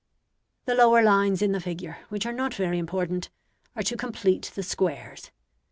The lower lines in the figure, which are not very important, are to complete the squares.